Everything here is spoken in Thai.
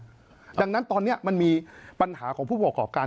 เพราะฉะนั้นตอนนี้มันมีปัญหาของผู้ประกอบการ